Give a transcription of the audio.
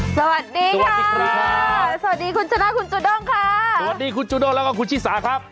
สวัสดีค่ะสวัสดีคุณชนะคุณจูด้งค่ะสวัสดีคุณจูด้งแล้วก็คุณชิสาครับ